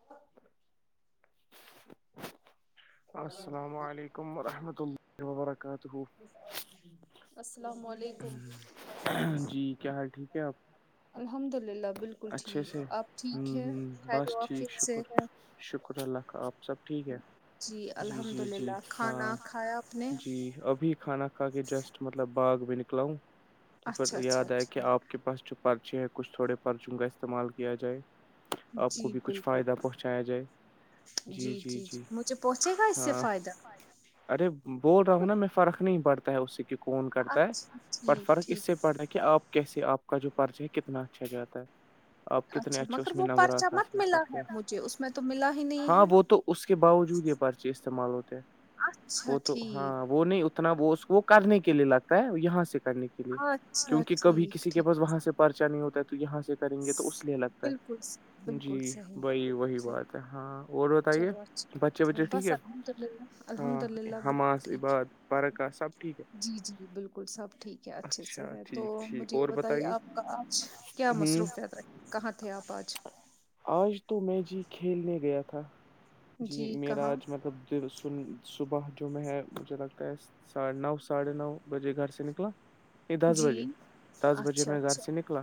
تو السلام علیکم حم و رحمۃ اللہ وبرکاتہ السلام علیکم جی کیا حال ٹھیک ہے آپ اچھے سے ہ ہ بس ٹھیک شکر شکر اللہ کا آپ سب ٹھیک ہے جی جی جی ہاں جی ابھی کھانا کھا کے جسٹ مطلب باغ بھی نکلاؤں تو پھر یاد آئے کہ آپ کے پاس جو پرچے ہیں کچھ تھوڑے پرچوں کا استعمال کیا جائے آپ کو بھی کچھ فائدہ پہنچایا جائے جی جی جی مجھے پہنچے گا اس سے فائدہ ارے بول رہا ہوں نا میں فرق نہیں پڑتا ہے اس سے کہ کون کرتا ہے پر فرق اس سے پڑ رہا ہے کہ آپ کیسے آپ کا جو پرچہ ہے کتنا اچھا جاتا ہے آپ کتنے اچھے اس میں نمرات حاصل کرتے ہیں ہاں وہ تو اس کے باوجود یہ پرچے استعمال ہوتے ہیں اچھا ٹھیک وہ نہیں اتنا وہ اس کو کرنے کے لیے لگتا ہے یہاں سے کرنے کے لیے کیونکہ کبھی کسی کے پاس وہاں سے پرچا نہیں ہوتا ہے تو یہاں سے کریں گے تو اس لیے لگتا ہے جی وہی وہی بات ہاں اور بتائیے بچے وچے ٹھیک ہے ہاں حماس عباد فرق کا سب ٹھیک ہے کیا اچھے سے ہے تو مجھے یہ بتائیے آپ کا آج کیا مصروفت کہاں تھے آپ آج آج تو میں جی کھیلنے گیا تھا جی میرا آج مطلب تو سن صبح جو میں ہے مجھے لگتا ہے ساڑے نو ساڑھے نو بجے گھر سے نکلا نہیں دس بجے دس بجے میں گھر سے نکلا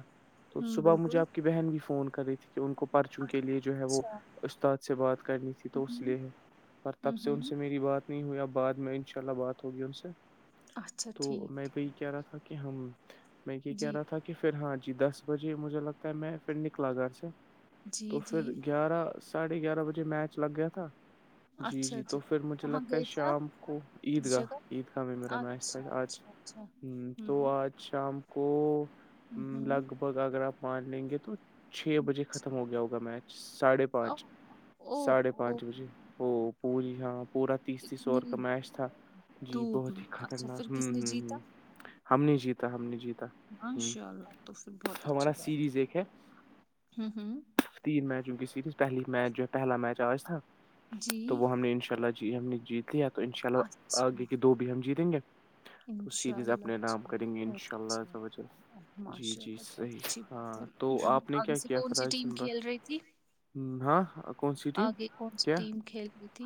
تو صبح مجھے آپ کی بہن بھی فون کری تھی کہ ان کو پرچوں کے لیے جو ہے وہ استاد سے بات کرنی تھی تو اس لیے ہے پر تب سے ان سے میری بات نہیں ہوئی ا بعد میں انشاء اللہ بات ہوگی ان سے تو میں بھی یہ کہہ رہا تھا کہ ہم میں یہ کہہ رہا تھا کہ پھر ہاں جی دس بجے مجھے لگتا ہے میں پھر نکلا گھر سے تو پھر گیارہ ساڑھے گیارہ بجے میچ لگ گیا تھا جی جی تو پھر مجھے لگتا ہے شام کو عیدگاہ عیدگاہ میں میرا ن تھا آج ہ تو آج شام کو لگ بھگ اگر آپ مان لیں گے تو چھ بجے ختم ہو گیا ہوگا میچ ساھے پانچ ساڑھے پانچ بجے ا پوری ہاں پورا تیس تیس اوور کا میش تھا جی بہت ہی خطرناک کس نے جیتا ہم نہیں جیتا ہم نے جیتا ہاں چاء الو تو پھر بہت اچھی بات ہ ہوں تین میچوں کی سیریز پہی جو پہلا میچ آج تھا تو وہ ہم نے انشاء اللہ جی ہم نے جیت لیا تو ان شاء اللہ آگے کی دو بھی ہم جیتیں گے تو سیریز اپنے نام کریں گے انشاء اللہ جی جی صحیح ہاں تو آپ نے کیا کیا فراج دن بھر ہاں کون سی ٹیم کیا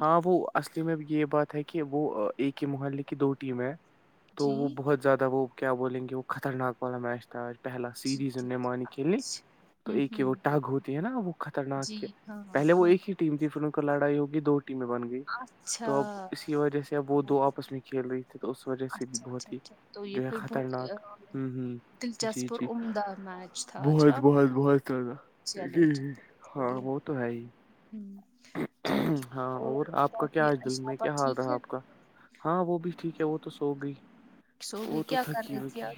ہاں وہ اصلے میں ا یہ بات ہے کہ وہ اے کے محے کی دو ٹیمیں ہیں تو وہ بہت زیادہ وہ کیا بولیں گے وہ خطرناک والا میچ تھا آج پہلا سیریز ان نمانے کھیل تو ایک ہی وہ ٹگ ہوتی ہے نا وہ خطرناک کے پہلے وہ ایک ہی ٹیم تھی پھر ان کا لڑائی ہوگی دو ٹیمیں بن گئی تو اب اسی وجہ سے اب وہ دو آپس میں کھیل رہی تھی تو اس وجہ سے بھی بہت ہی جو ہے خطرناک ہ ہ جی جی بہت بہت بہت تدا جی ہاں وہ تو ہے ہی ہوں ہاں اور آپ کا کیا آج دل میں کیا حال رہا آپ کا ہاں وہ بھی ٹھیک ہے وہ تو سو گئی وہ تو تھکی ہوکی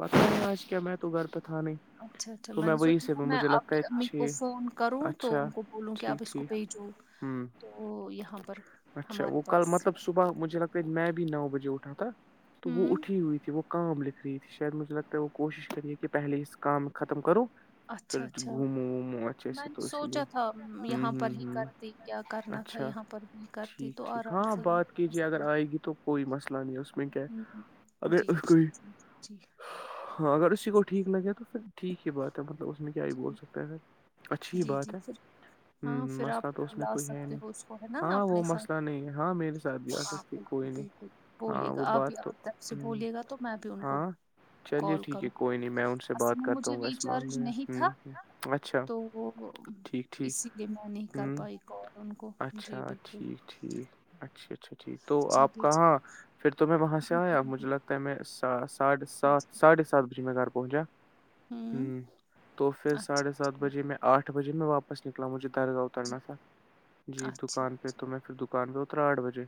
پتاہ ہے آج کیا میں تو گھر پہ تھا نہیں اچھا اچھا میں نے سوچا تھا میں آپ کی امی کو فون کروں تو ان کو بولوں کہ آپ اس کو بھیجو تو یہاں پر ہمارے پاس صبح مجھے لگتا ہے میں بھی نو بجے اٹھا تھا تو وہ اٹھی ہوئی تھی وہ کام لکھ رہی تھی شید مج پہ وہ کوشش کر رہی کہ پہلے اس کام ختم کرو پھر گھومو وومو اچھے سے تو اسی لیے ہ ہ ہ اچھا ٹھیک ٹھیک ہاں بات کیجے اگر آئے گی تو کوئی مسلہ نہیں اس جی جی ہاں اگر اسی کو ٹھیک لگے تو پھر ٹھیک ہی بات ہے مطلب اس میں کیا ہی بول سکتے ہیں پھر اچھی بات ہے ہ مس مسئلہ تو اس میں کوئی ہے نہیں ہاں وہ مسئلہ نہیں ہے ہاں میرے ساتھ بھی آ سکتی کوئی نہیں ہاں وہ بات تو ہ ہاں چلیے ٹھیک ہے کوئی نہیں میں ان سے بات کرتا ہوں گا اس معاملے میں ہ ہ اچھا ٹھیک ٹھیک س میں نے ہوں اچھا ٹھیک ٹھیک اچھا اچھا ٹھیک تو آپ کہاں پھر تو میں وہاں سے آیا مجھے لگتا میں ساڑھے سات ساڑھے سات بجے میں گھر پہنچا ہوں تو پھر ساڑھے سات بجے میں آٹھ بجے میں واپس نکلا مجھے درگاہ اترنا سا جی دکان پہ تو میں پھر دکان پہ اترا آٹھ بجے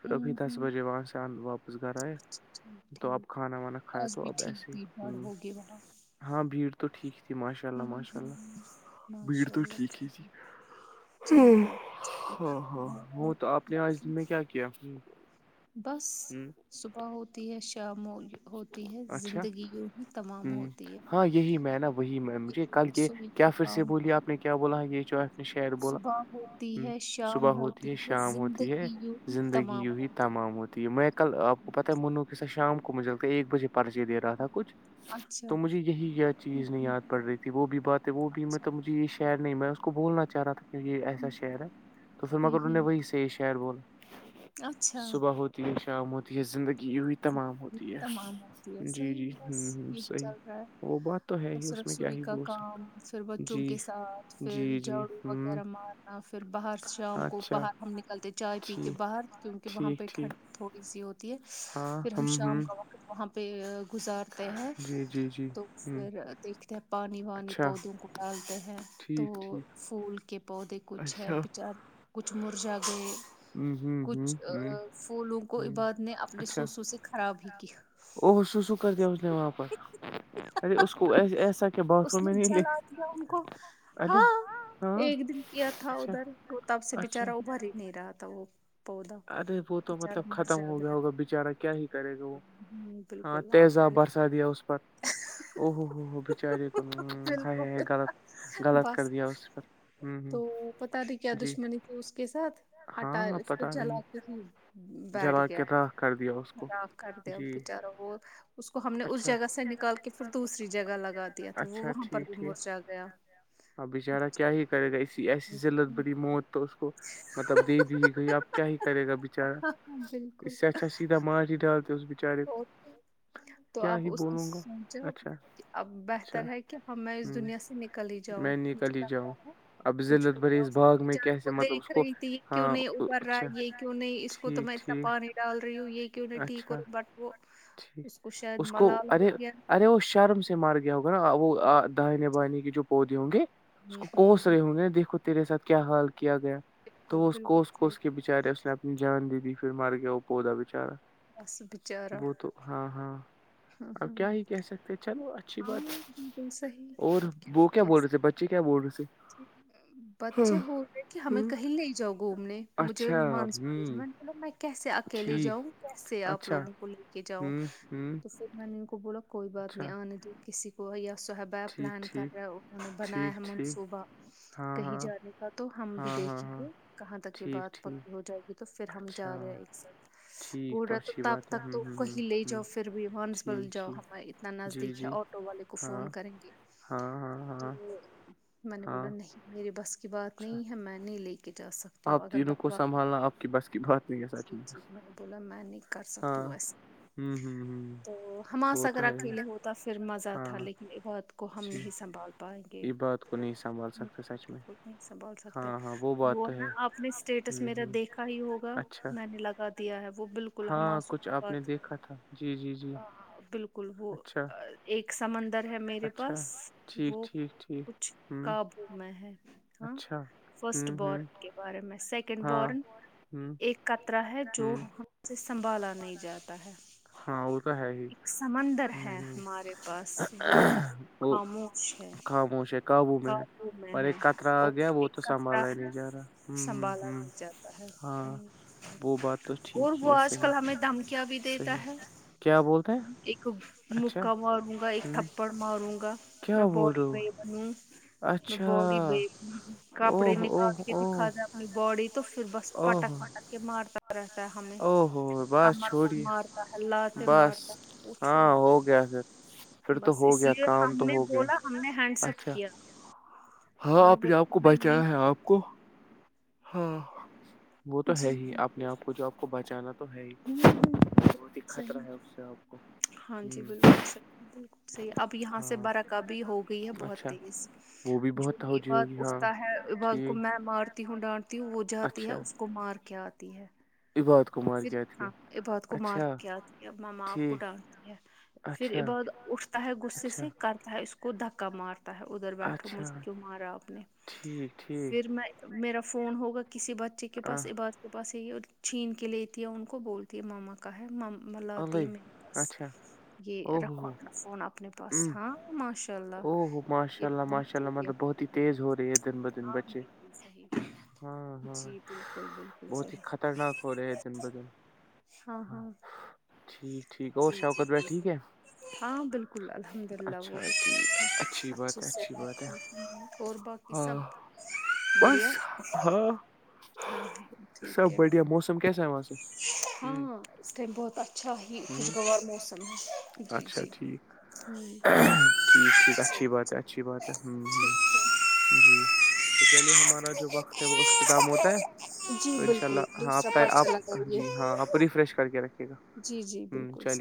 پھر ابھی دس بجے وہاں سے واپس گھر آئے تو آپ کھانا وانا کھاائے تو اب ایسے ہی ہ ہاں بھیڑ تو ٹھیک تھی ماشاء اللہ ماشاء اللہ بھیڑ تو ٹھیک ہی تھی چلو بالک کیا بس صبح تیش ہوتی ہے زندگیوں ہی تمام ہوتی ہے کل یہ کیا پھر سے بولی آپ نے کیا بولا یہ جو ہے شعر بولا صبح ہوتی ہے شام ہوتی ہے زندگی یوی تمام ہوتی ہے میں کل آپ کو پتاہ ہے منو کے سات شام کو مجےلتا ایک بجے پرچے دے رہا تھا کچھ تو م جی یہی چیز نہیں یاد پڑ رہی تھی وہ بھی بات ہے وہ بھی میںطلب مجھے یہ شعر نہیں میں اس کو بولنا چاہ رہا تھا یہ ایسا شہر ہے تو پھر مگر ان نے وہی سے یہ شہر بولا صبح ہو تو یہش آمت یہ زندگی ہئی تمام ہوت تمام ہوتی ہے صحیح بس یہ چل رہا ہے بس رسوئی کا کام پھر بچوں کے ساتھ پھر جھاڑو وغیرہ مارنا پھر باہر شام کو باہر ہم نکلتے چائے پی کے باہر کیونکہ وہاں پہ ٹھنڈ تھوڑی ایزی ہوتی ہے پھر ہم شام کا وقت وہاں پہ گزارتے ہیں تو پھر دیکھتے ہیں پانی وانی پودوں کو ڈالتے ہیں تو پھول کے پودے کچھ ہے بچار کچھ مرجا گئے کچھ پھولوں کو عباد نے اپنے سوسو سے خراب ہی کیا او سو سو کر دیا اس نے واپس ارے اس کو ایسا اس نے جلا دیا ان کو ہاں ایک دن کیا تھا ادھر تو تب سے بچارا ابھر ہی نہیں رہا تھا وہ ارے وہ تو مطلب ختم ہو گیا ہوگا بچارہ کیا ہی کرے گا وہ ہاں تیز برس دیا اس پر او ہو ہو ہو بچارے کو ہے غلط غلط کر دیا اس پر تو پتا تے کیا دشمنی تھی اس کے ساتھ ہٹاائے اس چلا کے ہی بیٹھ گیا خراب کر دیا بچارا وہ اس کو ہم نے اس جگہ سے نکال کے پھر دوسری جگہ لگا دیا تھا وہ وہاں پر بھی مورچا گیا ہ بچارہ کیا ہی کرے گا اسسی ایسی ضلت بری موت تو اس کو مطلب دے دیج گئی آپ کیا ہی کرے گا بچار اس سے اچھا سیدھا ماٹ ہی ڈالتے اس بچارے کو تو اپ اس جب بہتر ہے کہ ہم میں اس دنیا سے کلی جؤ م لتا ہے کچھچار کو دیکھ رہی تھی کیوں نہیں ابھر رہا یہ کیوں نہیں اس کوتمت س پانی ڈال ریو یہکہ ن کورم بٹو ٹھیک اس کو ارے ارے وہ شرم مار گیا ہوگا نا وہ دائنے بنے کے جو پودے ہوں گے اس کوس رہے ہوں گے دیکھو تو تیرے ساتھ کیا حال کیا گیا تو اس کوس کوس کےچ بچارے اس نے اپنی جان دی دی پھر مر گیا وہ پودا بچارا بس بچارا ہاں ہاں اب کیا ہی کہہ سکتے چلو اچھی بات اور وہ کیا بول رہے تھے بچ اچی کیا بول رہیے جچھ بچے بول رہ کہ ہمیں کہیں لے جاؤ گھومنے مجھے مانس میں کیسے اکیلے جاؤں کیسے آپ لوگوں کو لے کے جاؤں میں نے ان کو بولا کوئی بات نہیں آنے د کسی کو یا صحب پلان کر رہا ہے بنایا ہے منصوبہ کہیں جانے کا تو ہم بھی دیکھیں گے کہاں تک یہ بات پکی ہو جائے گی تو پھر ہم جا رہے ہیں ایک ساتھ بول رہا تو تب تک تو کہیں لے جاؤ پھر بھی مانسبل جاؤ ہم اتنا نزدیک ہے آٹو والے کو فون کریں گے تو میں نے بولا نہیں میری بس کی بات نہیں ہے میں نہیں لے کے جا سکتی اگر بک وقت بولا میں نہیں کر سکتیوں ایسے ہوں ہوں ہوں تو ہماس اگر اکیلے ہوتا پھر مزہ تھا لیکن ع بات کو ہم نہیں سنبھال پائیں گے بک نہیں سنبھال سکتے وہ ہے نا آپ نے اسٹیٹس میرا دیکھا ہی ہوگا میں نے لگا دیا ہے وہ بالکل ہاں کچھ آپ نے دیکھا تھا جی جی جی بالکل وہ ایک سمندر ہے میرے پاس وہ کچھ قابو میں ہے ہاں فسٹ بار کیا بارے میں سیکنڈ بارن ایک قطرا ہے جو اسے سنبھالا نہیں جاتا ہے ایک سمندر ہے ہمارے پاس وہ خاموک سے قابو میں ہے پر ایک کطرہ آ گیا وہ تو سنبھالا نہیں جا رہا ہوں ہ ہ ہاں وہ بات تو ٹھیک ہی ہے صحیح صحیح کیا بولتے ہیں ایک مکا ماروں گا ایک تھپڑ ماروں گا میں باڈی پیٹ میں باڈی ب کپڑے نکال کے دھا جا اپنی باڈی تو پھر بس پٹک پٹک کے مارتا رہتا ہے ہمیں کمر کمر اللہ ت مار پوچھو مت بس اس لیے ہم نے بولا ہم نے ہینڈس اپ کیا ہاں آپ نے آپ کو بہچایا ہے آپ کو ہاں وہ تو ہے ہی آپ نے آپ کو جو آپ کو بچانا تو ہے ہی بہت ہی خطرہ ہے اس سے آپ کو ہاں جی بالکلحی بالکل صحیح اب یہاں سے برا قبی ہو گئی ہے بہت تیز جو عباد اٹھتا ہے عباد کو میں مار تی ہوں ڈانٹتی ہوں وہ جاتی ہے اس کو مار کے آتی ہے ا بہت پھر ہاں یہ بات کو مار کے آتی ہے مما آپ کو ڈالتی ہے پھر ا باد اٹھتا ہے غصے سے کرتا ہے اس کو دھکا مارتا تا ہے ادھر بیٹھو مجھ کیوں مارا آپ نے پھر میں میرا فون ہوگا کسی بچے کے پاس عبادت کےاس یہی ہے اور چھین کے لیتی ہے ان کو بولتی ہے ماما کا ہے ملتی ہے میں یہ رکھو اپنا فون اپنے پاس ہاں ماشاء اللہ یہ بہتہ ہاں بالکل صحیح جی بالکل بالکل صحیح ہو رہے ہے دن ب دن ہاں ہاں ٹھیک ٹھیک اور شوکت ب ٹھیک ہے ہاں بالکل الحمد للہ وہ بھیھ اچ اور ب باقی سب بڑیا ہاں ہاں ٹھیک ہے ہاں اس ٹائم بہت اچھا ہی خوشگوار موسم ہے جی جی ٹھیک ٹھیک اچھی بات ہے اچھی بات ہے ہ ہ جی تو چلیے ہمارا جو وقت ہے وہ اختتام ہوتا ہے تو ان شاء اللہ ہاں ا آپ جی ہاں آپ ریفریش کر کے رکھے گا جی جی بالکلاظ